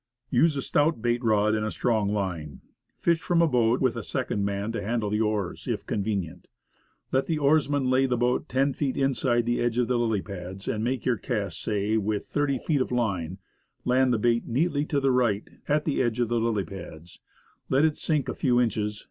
Use a stout bait rod and strong line. Fish from a boat, with a second man to handle the oars, if con venient. Let the oarsman lay the boat ten feet inside the edge of the lily pads, and make your cast, say, vvith thirty feet of line; land the bait neatly to the right, at the edge of the lily pads, let it sink a few inches